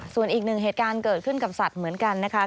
ส่วนอีกหนึ่งเหตุการณ์เกิดขึ้นกับสัตว์เหมือนกันนะคะ